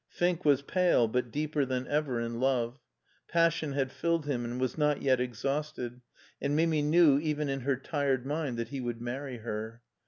Fink was pale, but deeper than ever in love; passion had filled him and was not yet exhausted, and Mimi knew even in her tired mind that he would marry her.